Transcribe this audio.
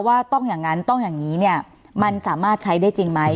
ว่าต้องอย่างนั้นต้องอย่างนี้เนี่ยมันสามารถใช้ได้จริงไหม